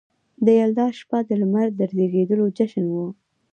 د یلدا شپه د لمر د زیږیدو جشن و